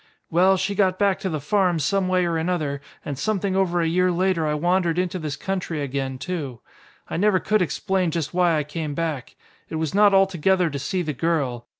Well, she got back to the farm some way or another, and something over a year later I wandered into this country again too. I never could explain just why I came back. It was not altogether to see the girl.